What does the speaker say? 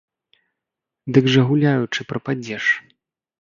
Дык жа гуляючы прападзеш.